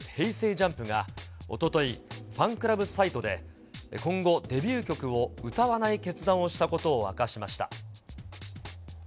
ＪＵＭＰがおととい、ファンクラブサイトで今後、デビュー曲を歌わない決断をしたことを明かしました。